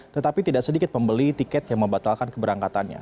tetapi tidak sedikit pembeli tiket yang membatalkan keberangkatannya